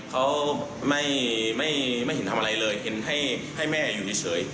เขาไม่เห็นทำอะไรเลยเห็นให้แม่อยู่เฉย